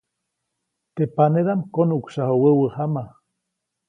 Teʼ panedaʼm konuʼksyaju wäwä jama.